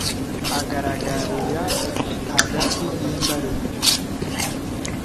Agaragarira hagati y’imbariro.